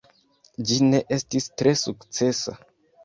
Ĝi ne estis tre sukcesa.